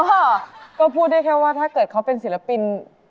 ค่ะก็พูดได้แค่ว่าถ้าเกิดเขาเป็นศิลปิน